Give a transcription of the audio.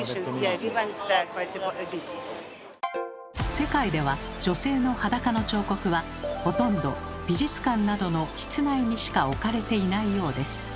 世界では女性の裸の彫刻はほとんど美術館などの室内にしか置かれていないようです。